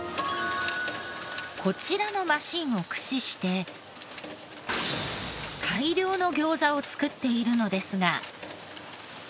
こちらのマシーンを駆使して大量の餃子を作っているのですが。